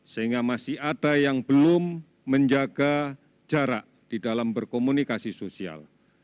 sehingga masih ada yang belum menjaga jarak di dalam berkomunikasi sosial